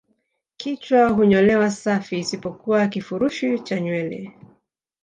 Kichwa hunyolewa safi isipokuwa kifurushi cha nywele